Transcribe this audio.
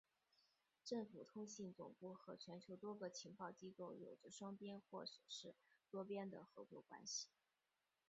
政府通信总部和全球多个情报机构有着双边或是多边的合作关系。